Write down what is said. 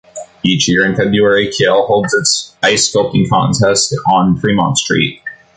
Each year in February, Kiel holds its Ice Sculpting Contest on Fremont Street.